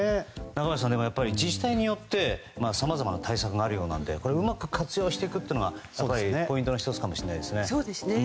中林さん、自治体によってさまざまな対策があるようなのでうまく活用していくことがポイントかもしれませんね。